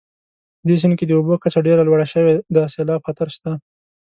په دې سیند کې د اوبو کچه ډېره لوړه شوې د سیلاب خطر شته